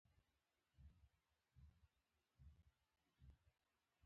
-د علاقې ښودنې لپاره فزیکي ژبه وکاروئ